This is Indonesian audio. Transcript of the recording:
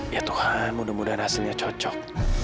ya tuhan mudah mudahan hasilnya cocok